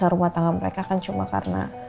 rumah tangga mereka kan cuma karena